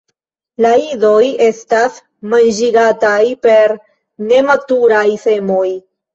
La idoj estas manĝigataj per nematuraj semoj.